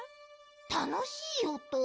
たのしいおと？